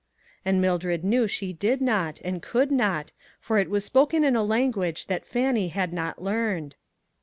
' And Mildred knew she did not and could not, for it was spoken in a language that Fannie had not learned.